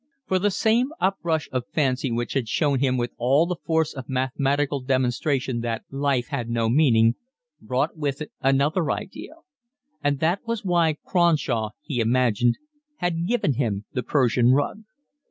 For the same uprush of fancy which had shown him with all the force of mathematical demonstration that life had no meaning, brought with it another idea; and that was why Cronshaw, he imagined, had given him the Persian rug.